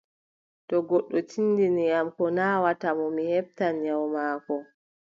To goddo tinndini am ko naawata mo, mi heɓtan nyawu maako.